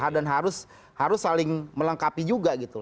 dan harus saling melengkapi juga gitu